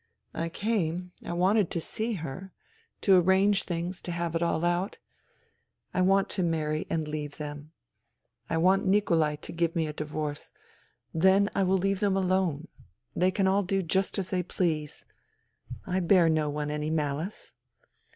I came. I wanted to see her, to arrange things, to have it all out. I want to marry and leave them. I want Nikolai to give me a divorce. Then I will leave them alone. They can all do just as they please. I bear no one any malice.